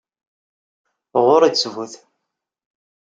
Ɣur-i ttbut.